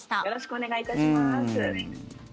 よろしくお願いします。